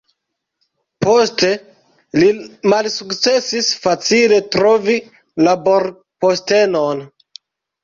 Poste li malsukcesis facile trovi laborpostenon.